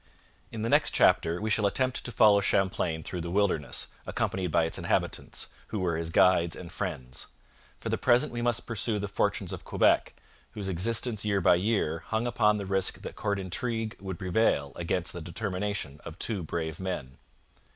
In the next chapter we shall attempt to follow Champlain through the wilderness, accompanied by its inhabitants, who were his guides and friends. For the present we must pursue the fortunes of Quebec, whose existence year by year hung upon the risk that court intrigue would prevail against the determination of two brave men.